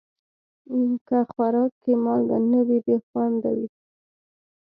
که خوراک کې مالګه نه وي، بې خوند وي.